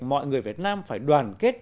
mọi người việt nam phải đoàn kết